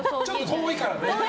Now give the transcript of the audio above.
遠いから。